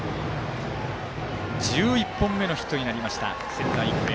１１本目のヒットになりました、仙台育英。